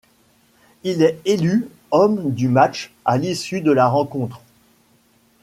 Il est élu homme du match à l'issue de la rencontre.